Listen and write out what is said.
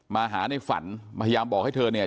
มาหาในฝันพยายามบอกให้เธอเนี่ย